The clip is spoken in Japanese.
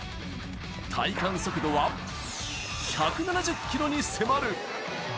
体感速度は１７０キロに迫る。